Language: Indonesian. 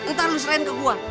ntar lu serain ke gua